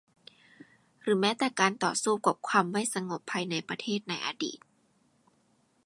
หรือแม้แต่การต่อสู้กับความไม่สงบภายในประเทศในอดีต